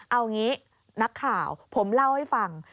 เอางี้นักข่าวผมเล่าให้ฟัง